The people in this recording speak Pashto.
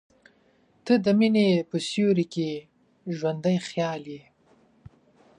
• ته د مینې په سیوري کې ژوندی خیال یې.